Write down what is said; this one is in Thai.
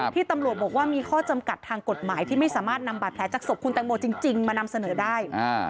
ที่ตำรวจบอกว่ามีข้อจำกัดทางกฎหมายที่ไม่สามารถนำบาดแผลจากศพคุณแตงโมจริงมานำเสนอได้